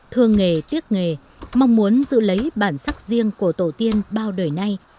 thương nghề tiếc nghề mong muốn giữ lấy bản sắc riêng của tổ tiên bao đời nay